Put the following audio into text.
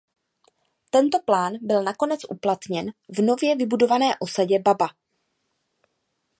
Tento plán byl nakonec uplatněn v nově vybudované Osadě Baba.